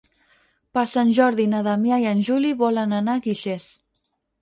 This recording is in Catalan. Per Sant Jordi na Damià i en Juli volen anar a Guixers.